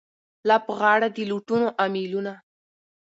لا په غاړه د لوټونو امېلونه